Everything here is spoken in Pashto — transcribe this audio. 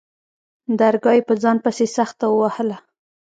درگاه يې په ځان پسې سخته ووهله.